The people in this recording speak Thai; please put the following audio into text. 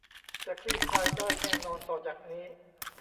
จะคลี่คลายได้แน่นอนต่อจากนี้